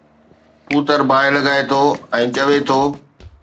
پوتر باهه لڳائي ٿو ۽ چوي ٿو